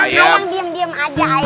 ayang diam diam aja ayang